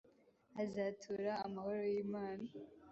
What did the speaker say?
hazatura amahoro y’Imana.